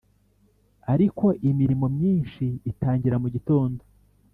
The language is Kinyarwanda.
Ariko imirimo myinshi itangira mugitondo